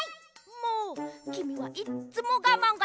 もうきみはいっつもがまんができない。